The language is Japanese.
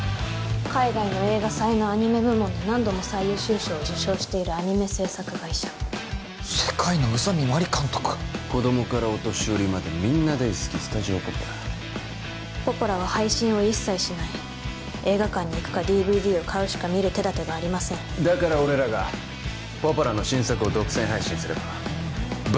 海外の映画祭のアニメ部門で何度も最優秀賞を受賞しているアニメ制作会社世界の宇佐美マリ監督子供からお年寄りまでみんな大好きスタジオポポラポポラは配信を一切しない映画館に行くかＤＶＤを買うしか見る手立てがありませんだから俺らがポポラの新作を独占配信すれば爆